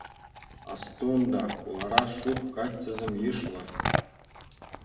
Асту унта, хулара шух каччӑсем йышлӑ.